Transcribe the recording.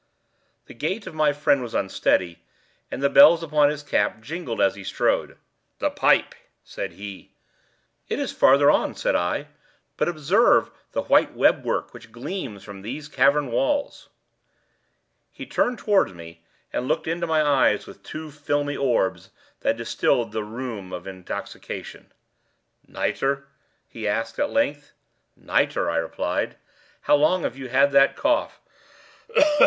The gait of my friend was unsteady, and the bells upon his cap jingled as he strode. "The pipe," said he. "It is farther on," said I; "but observe the white web work which gleams from these cavern walls." He turned towards me, and looked into my eyes with two filmy orbs that distilled the rheum of intoxication. "Nitre?" he asked, at length. "Nitre," I replied. "How long have you had that cough?" "Ugh! ugh! ugh!